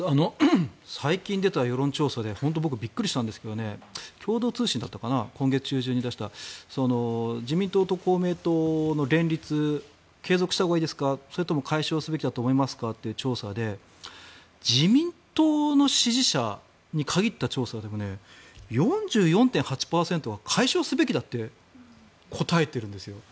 最近出た世論調査で本当僕びっくりしたんですが共同通信だったかな今月中旬に出した自民党と公明党の連立を継続したほうがいいですかそれとも解消すべきだと思いますかという調査で自民党の支持者に限った調査でも４４．８％は解消すべきだと答えてるんですよ。